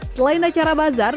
selain acara bazar